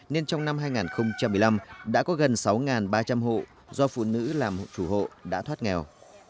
nên trong năm hai nghìn một mươi năm đã có gần sáu ba trăm linh hộ do phụ nữ làm hộ chủ hộ đã thoát nghèo